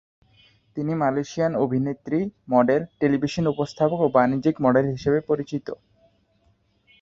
তিনি মালয়েশিয়ান অভিনেত্রী, model, television উপস্থাপক এবং বাণিজ্যিক মডেল হিসেবে পরিচিত।